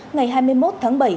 ngày hai mươi một tháng bảy